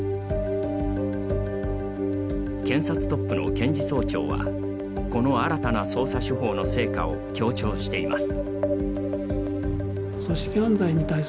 検察トップの検事総長はこの新たな捜査手法の成果を強調しています。